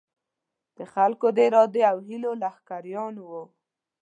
د خلکو د ارادې او هیلو لښکریان وو.